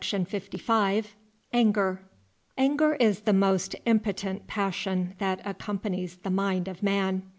] Anger is the most impotent passion that accompanies the mind of man.